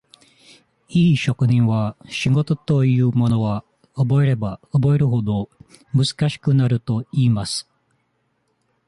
いい職人は、仕事というものは、覚えれば覚えるほど、難しくなるといいます。